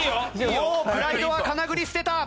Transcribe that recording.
もうプライドはかなぐり捨てた！